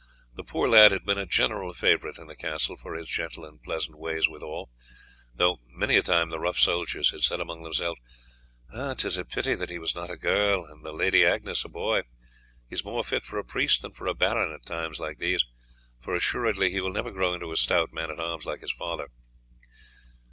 The poor lad had been a general favourite in the castle for his gentle and pleasant ways with all, though many a time the rough soldiers had said among themselves, "'Tis a pity that he was not a girl, and the Lady Agnes a boy. He is more fit for a priest than for a baron in times like these, for assuredly he will never grow into a stout man at arms like his father."